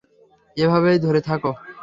এভাবেই ধরে থাকো।